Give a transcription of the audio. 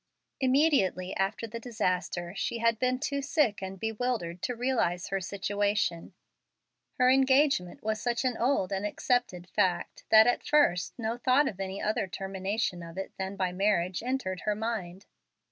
Immediately after the disaster she had been too sick and bewildered to realize her situation. Her engagement was such an old and accepted fact that at first no thought of any other termination of it than by marriage entered her mind.